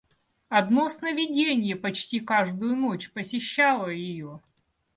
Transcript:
Одно сновиденье почти каждую ночь посещало ее.